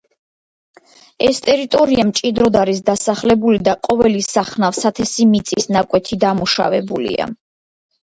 ეს ტერიტორია მჭიდროდ არის დასახლებული და ყოველი სახნავ–სათესი მიწის ნაკვეთი დამუშავებულია.